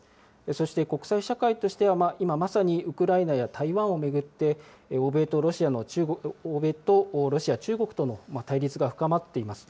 そして国際社会としては、今まさにウクライナや台湾を巡って、欧米とロシア、中国との対立が深まっています。